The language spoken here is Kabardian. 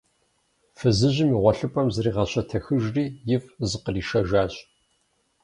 Фызыжьым и гъуэлъыпӀэм зригъэщэтэхыжри, ифӀ зыкъришэжащ.